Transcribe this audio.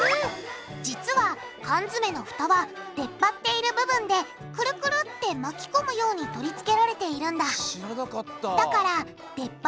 実は缶詰のフタは出っ張っている部分でクルクルって巻き込むように取り付けられているんだ知らなかった。